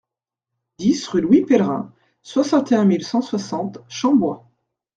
dix rue Louis Pellerin, soixante et un mille cent soixante Chambois